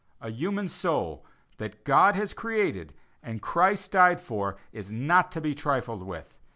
A human soul, "that God has created and Christ died for," is not to be trifled with.